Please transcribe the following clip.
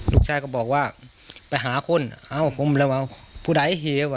ลูกชายก็บอกว่าไปหาคนเอ้าผมแล้วว่าผู้ใดเหว่